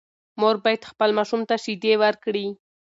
مور باید خپل ماشوم ته شیدې ورکړي.